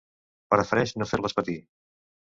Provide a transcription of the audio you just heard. Prefereix no fer-les patir.